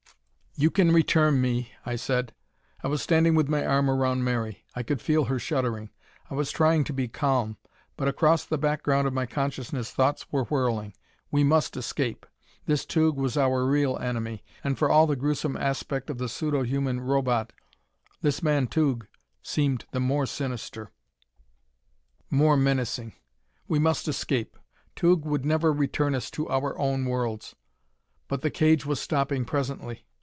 "You can return me," I said. I was standing with my arm around Mary. I could feel her shuddering. I was trying to be calm, but across the background of my consciousness thoughts were whirling. We must escape. This Tugh was our real enemy, and for all the gruesome aspect of the pseudo human Robot, this man Tugh seemed the more sinister, more menacing.... We must escape. Tugh would never return us to our own worlds. But the cage was stopping presently.